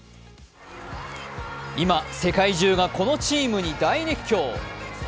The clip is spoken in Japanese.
今、世界中がこのチームに大熱狂。